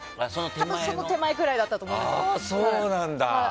多分その手前くらいだと思います。